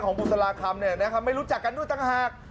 ของบุษลาคัมนะครับไม่รู้จักกันด้วยต่างหาก